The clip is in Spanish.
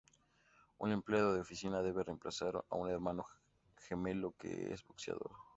Un empleado de oficina debe reemplazar a un hermano gemelo que es boxeador.